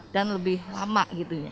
lebih lama gitu ya